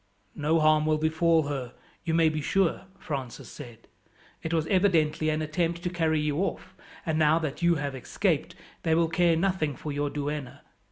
"No harm will befall her, you may be sure," Francis said. "It was evidently an attempt to carry you off, and now that you have escaped they will care nothing for your duenna.